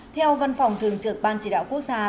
theo văn phòng thường trực ban chỉ đạo quốc gia